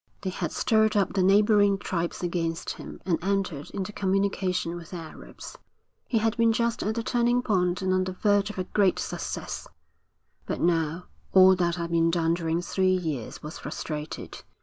They had stirred up the neighbouring tribes against him and entered into communication with the Arabs. He had been just at the turning point and on the verge of a great success, but now all that had been done during three years was frustrated.